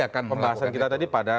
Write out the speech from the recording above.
tapi kan pembahasan kita tadi